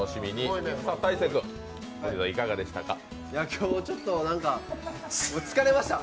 今日ちょっとなんか疲れました。